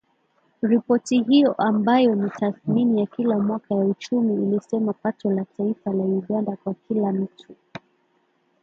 Ripoti hiyo ambayo ni tathmini ya kila mwaka ya uchumi ilisema pato la taifa la Uganda kwa kila mtu